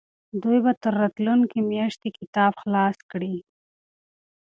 دوی به تر راتلونکې میاشتې کتاب خلاص کړي.